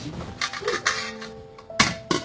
うん。